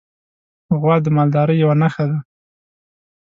غوا د مالدارۍ یوه نښه ده.